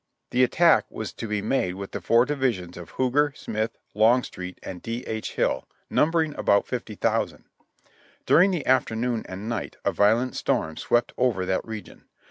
The attack was to be made with the four divisions of Huger, Smith, Longstreet, and D. H. Hill, numbering about fifty thou sand. During the afternoon and night a violent storm swept over that region.